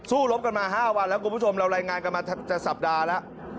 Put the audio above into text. สู้รบกันมาห้ารวดแล้วคุณผู้ชมเราไลน์งานก็จะสัปดาห์แล้ว